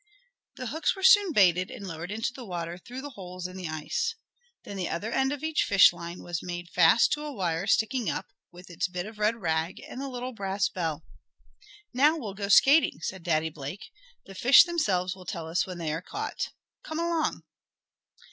The hooks were soon baited, and lowered into the water through the holes in the ice Then the other end of each fish line was made fast to a wire sticking up, with its bit of red rag, and the little brass bell. "Now we'll go skating," said Daddy Blake. "The fish themselves will tell us when they are caught. Come along."